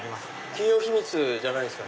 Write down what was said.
企業秘密じゃないんですか？